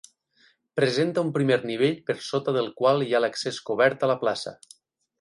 Presenta un primer nivell per sota del qual hi ha l'accés cobert a la plaça.